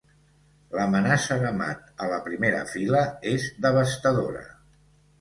L'amenaça de mat a la primera fila és devastadora.